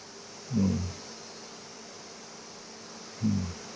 うん。